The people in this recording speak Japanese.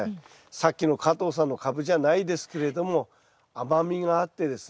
さっきの加藤さんのカブじゃないですけれども甘みがあってですね